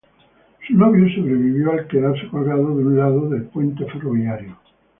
Su novio sobrevivió al quedarse colgando de un lado del puente ferroviario.